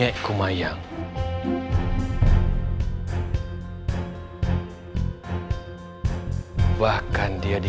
aku yang mencari